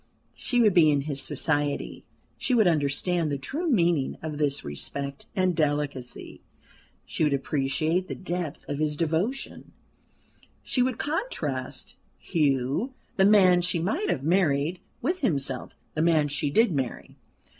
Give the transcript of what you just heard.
She would be in his society: she would understand the true meaning of this respect and delicacy: she would appreciate the depth of his devotion: she would contrast Hugh, the man she might have married, with himself, the man she did marry.